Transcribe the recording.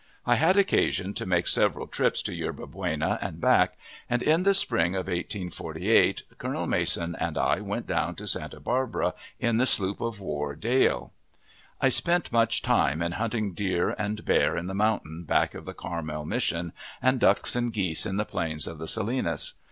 I had occasion to make several trips to Yerba Buena and back, and in the spring of 1848 Colonel Mason and I went down to Santa Barbara in the sloop of war Dale. I spent much time in hunting deer and bear in the mountains back of the Carmel Mission, and ducks and geese in the plains of the Salinas.